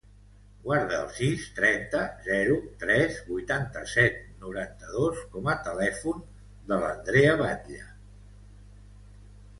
Guarda el sis, trenta, zero, tres, vuitanta-set, noranta-dos com a telèfon de l'Andrea Batlle.